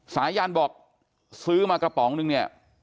สายันบอกซื้อมากระป๋องนึงเนี่ย